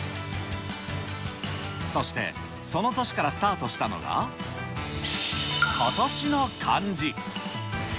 そして、その年からスタートしたのが、今年の漢字。